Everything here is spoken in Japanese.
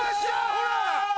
ほら！